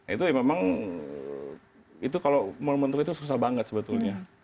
itu memang itu kalau momentum itu susah banget sebetulnya